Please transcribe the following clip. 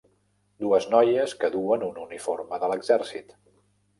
dues noies que duen un uniforme de l'exèrcit.